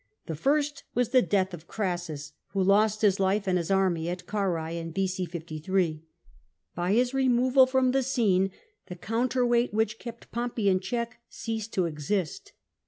The first was the death of Crassus, who lost his life and his army at Carrhae in n.c. 53. By his removal from the scene the counterweight which kept Pompey in check ceased to exist.